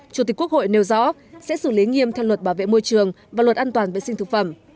chủ tịch quốc hội nêu rõ sẽ xử lý nghiêm theo luật bảo vệ môi trường và luật an toàn vệ sinh thực phẩm